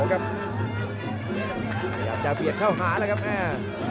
พยายามจะเบียดเข้าหาแล้วครับแม่